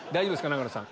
永野さん。